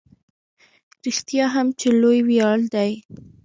رښتیا هم چې لوی ویاړ دی.